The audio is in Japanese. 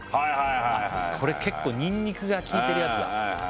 これ結構ニンニクがきいてるやつだ